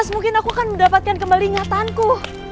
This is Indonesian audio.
mungkin aku akan mendapatkan kembali ingatanku